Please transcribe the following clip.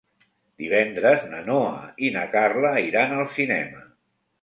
Divendres na Noa i na Carla iran al cinema.